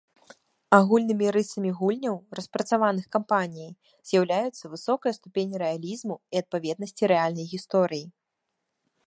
Агульнымі рысамі гульняў, распрацаваных кампаніяй, з'яўляюцца высокая ступень рэалізму і адпаведнасці рэальнай гісторыі.